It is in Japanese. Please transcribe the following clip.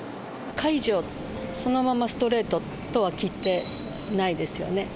解除、そのままストレートとは聞いてないですよね。